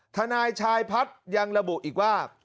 ทนายชายพัฒน์ยังระบุอีกว่า